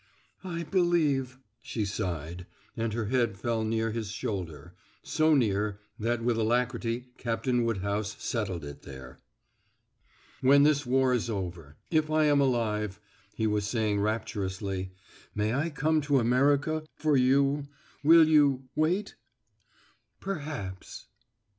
"I believe," she sighed, and her head fell near his shoulder so near that with alacrity Captain Woodhouse settled it there. "When this war is over, if I am alive," he was saying rapturously, "may I come to America for you? Will you wait?" "Perhaps."